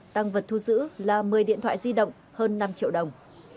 tăng vật thu giữ là một mươi điện thoại di động hơn năm triệu đồng